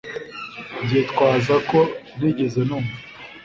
Nzitwaza ko ntigeze numva